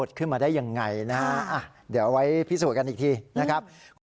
จนถึงกระทั่งถึงปูนแห้งนะ